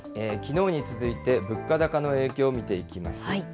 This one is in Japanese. きのうに続いて、物価高の影響を見ていきます。